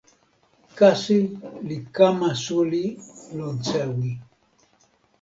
kasi li kama suli lon sewi.